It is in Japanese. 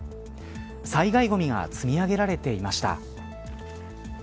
災害ごみが積み上げられていました。